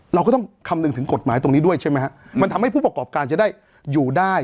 เราก็ต้องคำนึงถึงกฎหมายตรงนี้ด้วยใช่ไหมฮะมันทำให้ผู้ประกอบการจะได้อยู่ได้